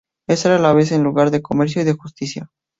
Esta era a la vez un lugar de comercio y de justicia.